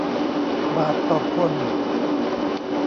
บาทต่อคน